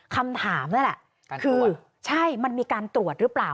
คำถามนั่นแหละคือใช่มันมีการตรวจหรือเปล่า